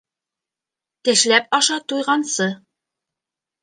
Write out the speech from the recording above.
Тешләп аша туйғансы.